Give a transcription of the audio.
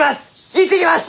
行ってきます！